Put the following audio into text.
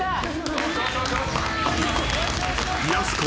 ［やす子。